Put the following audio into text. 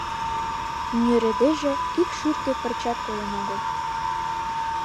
Нӧрыдеже ик шӱртӧ пырчат кодын огыл...